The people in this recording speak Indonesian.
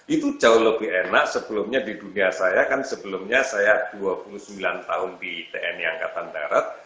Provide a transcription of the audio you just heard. itu jauh lebih enak sebelumnya di dunia saya kan sebelumnya saya dua puluh sembilan tahun di tni angkatan darat